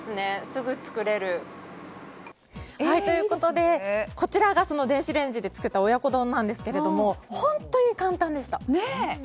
すぐ作れる。ということでこちらがその電子レンジで作った親子丼なんですけども本当に簡単でした。